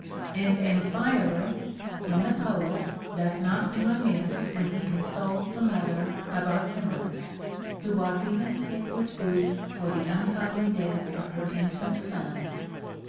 And Amphiaraus in the poet doth not do amiss when he consoles the mother of Archemorus, who Avas even sick with grief for the untimely death of her infant son.